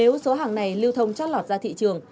nếu số hàng này lưu thông trót lọt ra thị trường